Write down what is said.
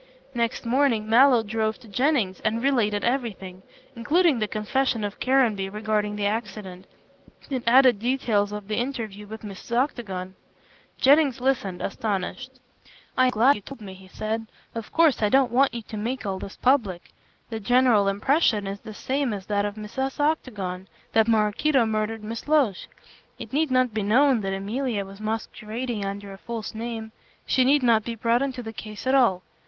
Next morning Mallow drove to Jennings and related everything, including the confession of Caranby regarding the accident, and added details of the interview with Mrs. Octagon. Jennings listened, astonished. "I am glad you told me," he said, "of course I don't want you to make all this public. The general impression is the same as that of Mrs. Octagon, that Maraquito murdered Miss Loach. It need not be known that Emilia was masquerading under a false name. She need not be brought into the case at all.